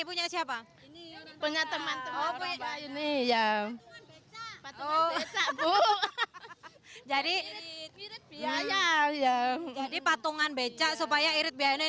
punya siapa ini punya teman teman ini ya oh bu jadi biaya ya jadi patungan becak supaya irit biaya